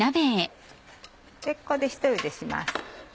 ここでひと茹でします。